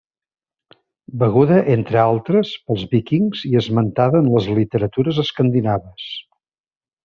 Beguda, entre altres, pels Vikings i esmentada en les literatures escandinaves.